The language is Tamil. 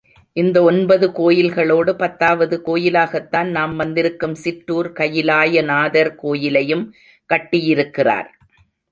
இந்த ஒன்பது கோயில்களோடு பத்தாவது கோயிலாகத்தான் நாம் வந்திருக்கும் சிற்றூர் கயிலாயநாதர் கோயிலையும் கட்டியிருக்கிறார்.